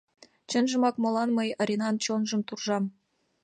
Чынжымак, молан мый Оринан чонжым туржам.